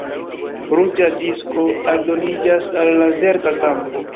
Ruĝa disko aldoniĝas al la verda kampo.